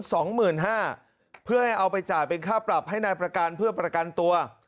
สองหมื่นห้าเพื่อให้เอาไปจ่ายเป็นค่าปรับให้นายประกันเพื่อประกันตัว